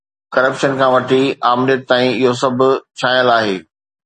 Corruption کان وٺي آمريت تائين، اهو سڀ ڇانيل آهي.